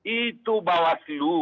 itu bahwa silu